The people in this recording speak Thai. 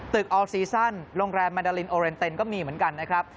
ออลซีซั่นโรงแรมมันดาลินโอเรนเต็นก็มีเหมือนกันนะครับ